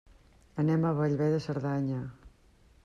Anem a Bellver de Cerdanya.